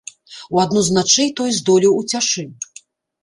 У адну з начэй той здолеў уцячы.